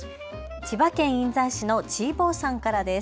千葉県印西市のちぼさんからです。